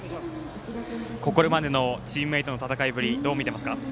これまでのチームメートの戦いぶりどう見ていますか？